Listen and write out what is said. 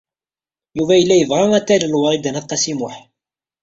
Yuba yella yebɣa ad t-talel Wrida n At Qasi Muḥ.